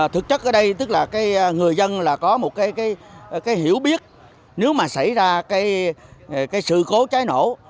thực chất ở đây tức là người dân là có một cái hiểu biết nếu mà xảy ra cái sự cố cháy nổ